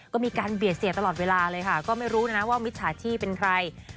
ก็มีการเบียดเสียตลอดเวลาเลยค่ะก็ไม่รู้นะว่ามิจฉาชีพเป็นใคร